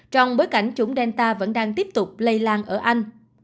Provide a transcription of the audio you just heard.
trong bối cảnh chủng delta vẫn đang tiếp tục lây lan ở anh